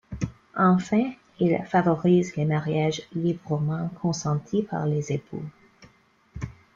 Enfin, il favorise les mariages librement consentis par les époux.